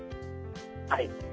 はい。